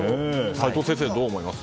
齋藤先生、どう思います？